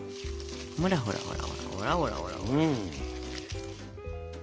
ほらほらほらほら。